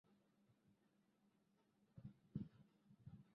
তিনি ইয়েমেনে বাল্যবিবাহ বন্ধ করতেও কাজ করেছেন।